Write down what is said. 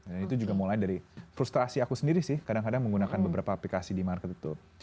dan itu juga mulai dari frustrasi aku sendiri sih kadang kadang menggunakan beberapa aplikasi di market itu